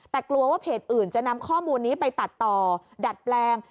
แต่กลัวว่าเพจอื่นจะนำข้อมูลนี้ไปตัดต่อดัดแปลง